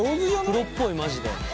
プロっぽいマジで。